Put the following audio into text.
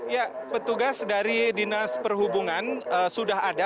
ya petugas dari dinas perhubungan sudah ada